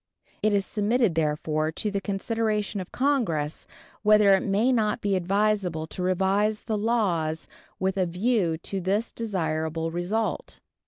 It is submitted, therefore, to the consideration of Congress whether it may not be advisable to revise the laws with a view to this desirable result.